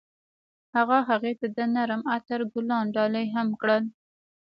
هغه هغې ته د نرم عطر ګلان ډالۍ هم کړل.